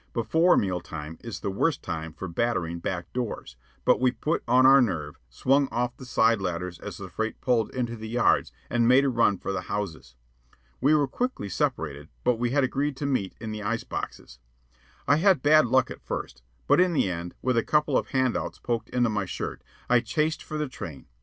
Before meal time is the worst time for "battering" back doors; but we put on our nerve, swung off the side ladders as the freight pulled into the yards, and made a run for the houses. We were quickly separated; but we had agreed to meet in the ice boxes. I had bad luck at first; but in the end, with a couple of "hand outs" poked into my shirt, I chased for the train.